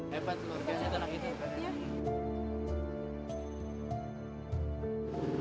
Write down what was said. hebat luar biasa tenang itu